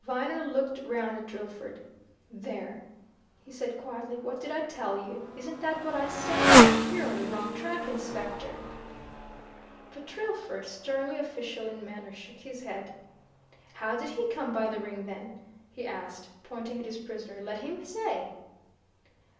Viner looked round at Drillford. "There!" he said quietly. "What did I tell you? Isn't that what I said? You're on the wrong track, Inspector!" But Drillford, sternly official in manner, shook his head. "How did he come by the ring, then?" he asked, pointing at his prisoner. "Let him say!"